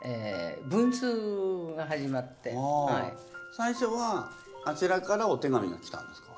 最初はあちらからお手紙が来たんですか？